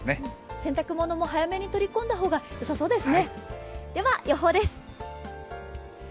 洗濯物も早めに取り込んだ方がよさそうですね。